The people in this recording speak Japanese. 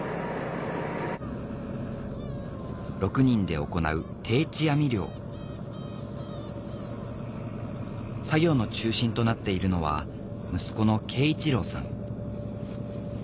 ６人で行う定置網漁作業の中心となっているのは息子の恵一郎さん